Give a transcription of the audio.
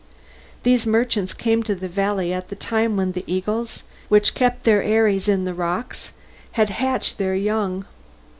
These merchants came to the valley at the time when the eagles, which keep their eyries in the rocks, had hatched their young.